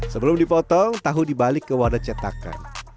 sebelum dipotong tahu dibalik ke wadah cetakan